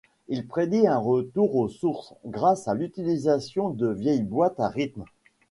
Il prédit un retour aux sources, grâce à l'utilisation de vieilles boîtes à rythmes.